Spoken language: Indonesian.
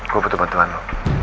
gue butuh bantuan lo